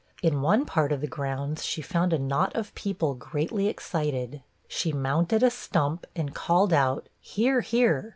In one part of the grounds, she found a knot of people greatly excited: she mounted a stump and called out, 'Hear! hear!'